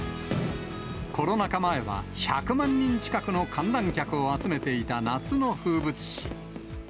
コロナ禍前は１００万人近くの観覧客を集めていた夏の風物詩。